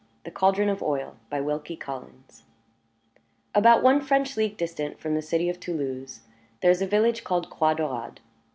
THE CALDRON OF OIL By WILKIE COLLINS About one French league distant from the city of Toulouse there is a village called Croix Daurade.